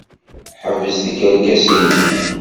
Ḥbes tikerkas-nnek!